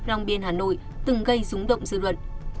rong biên hà nội từng gây rúng động dư luận